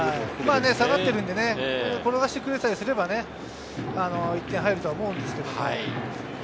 今下がっているんで、転がしてくれさえすれば１点入るとは思うんですけれど。